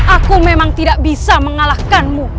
aku memang tidak bisa mengalahkanmu